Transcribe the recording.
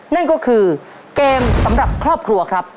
นั่นก็คือเกมสำหรับครอบครัวครับ